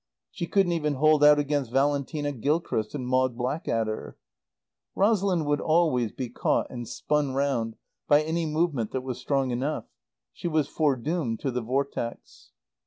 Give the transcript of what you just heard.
She couldn't even hold out against Valentina Gilchrist and Maud Blackadder. Rosalind would always be caught and spun round by any movement that was strong enough. She was foredoomed to the Vortex.